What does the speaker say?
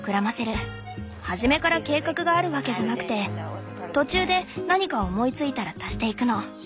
初めから計画があるわけじゃなくて途中で何か思いついたら足していくの。